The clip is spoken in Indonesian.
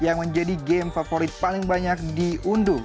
yang menjadi game favorit paling banyak diunduh